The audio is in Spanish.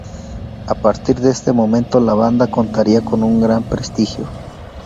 A partir de este momento la banda contaría con un gran prestigio.